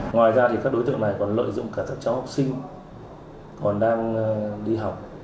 ngoài ra thì các đối tượng này còn lợi dụng cả các cháu học sinh còn đang đi học